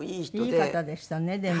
いい方でしたねでも。